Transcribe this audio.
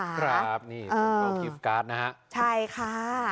ครับนี่เอ่อนะฮะใช่ค่ะ